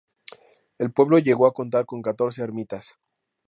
El pueblo llegó a contar con catorce ermitas.